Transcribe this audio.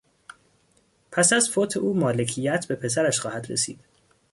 پس از فوت او مالکیت به پسرش خواهد رسید.